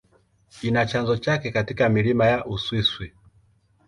Ina chanzo chake katika milima ya Uswisi.